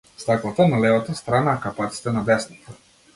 Стаклата на левата страна, а капаците на десната.